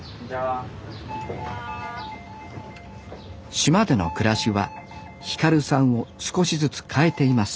島での暮らしは輝さんを少しずつ変えています